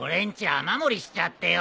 雨漏りしちゃってよ